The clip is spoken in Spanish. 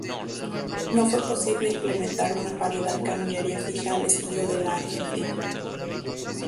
No fue posible implementar una paridad cambiaria fija al estilo de la Argentina.